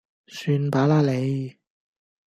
算罷啦你